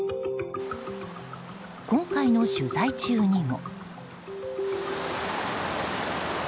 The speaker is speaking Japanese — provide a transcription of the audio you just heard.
今回の取材中にも。